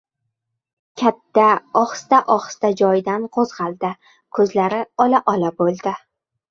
Katta ohista-ohista joyidan qo‘zg‘aldi. Ko‘zlari ola-ola bo‘ldi.